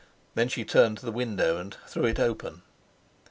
Then she turned to the window and threw it open.